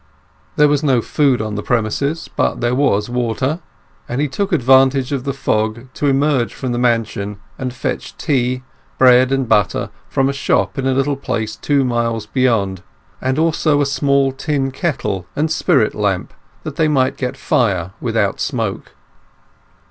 There was no food on the premises, but there was water, and he took advantage of the fog to emerge from the mansion and fetch tea, bread, and butter from a shop in a little place two miles beyond, as also a small tin kettle and spirit lamp, that they might get fire without smoke.